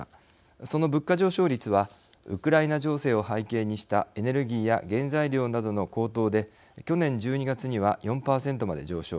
その物価上昇率はウクライナ情勢を背景にしたエネルギーや原材料などの高騰で去年１２月には、４％まで上昇。